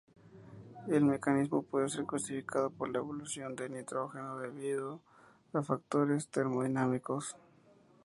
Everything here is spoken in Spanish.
El mecanismo puede ser justificado por la evolución del nitrógeno debido a factores termodinámicos.